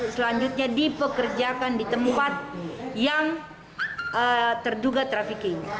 selanjutnya dipekerjakan di tempat yang terduga trafficking